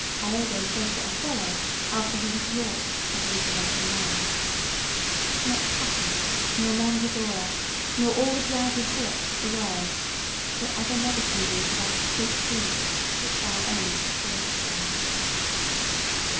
Iago says to Othello, after he has wrought "the deed without a name": "Not poppy nor mandragora, Nor all the drowsy syrups of the world, Shall ever medicine thee to that sweet sleep Which thou own'dst yesterday."